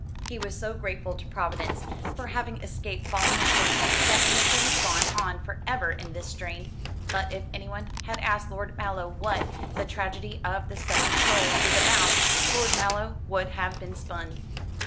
He was so grateful to Providence for having escaped falling asleep that he could have gone on for ever in this strain. But if anyone had asked Lord Mallow what "The Tragedy of a Sceptic Soul" was about, Lord Mallow would have been spun.